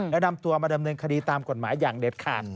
และนำตัวมาดำเนินคดีตามกฎหมายอย่างเด็ดขาด